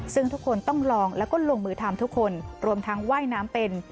ซึ่งทุกคนต้องลองแล้วก็ลงมือทำทุกคนรวมทั้งว่ายน้ำเป็น